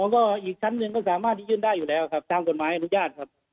ก็อีกชั้นหนึ่งก็สามารถที่ยื่นได้อยู่แล้วครับตามกฎหมายอนุญาตครับ